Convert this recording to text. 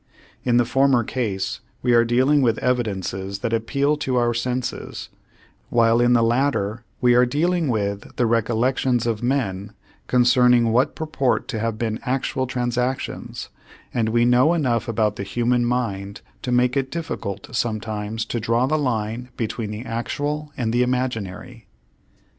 In the former case we are dealing with evidences that appeal to our senses, while in the latter we are dealing with the recollections of men concerning what purport to have been actual transactions, and we know enough about the human mind to make it difficult sometimes to draw the line between the actual and the imaginary.